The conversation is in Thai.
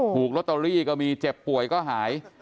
ถูกลอตเตอรี่ก็มีเจ็บป่วยก็หาย